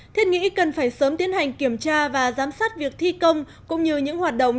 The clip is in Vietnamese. thiết nghĩ cần phải sớm tiến hành kiểm tra và giám sát việc thi công cũng như những hoạt động